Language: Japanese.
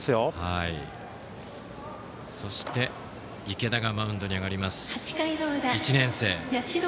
そして１年生の池田がマウンドに上がります。